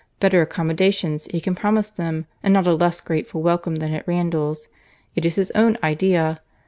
Better accommodations, he can promise them, and not a less grateful welcome than at Randalls. It is his own idea.